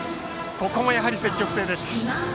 ここも、やはり積極的でした。